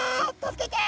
助けて！